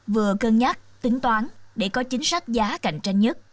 vừa cân nhắc tính toán để có chính sách giá cạnh tranh nhất